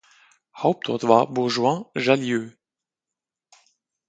Hauptort war Bourgoin-Jallieu.